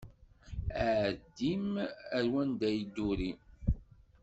Ɛeddim ar wanda i yedduri!